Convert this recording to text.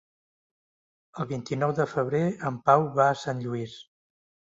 El vint-i-nou de febrer en Pau va a Sant Lluís.